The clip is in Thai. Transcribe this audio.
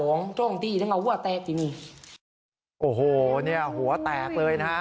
โอ้โหเนี่ยหัวแตกเลยนะฮะ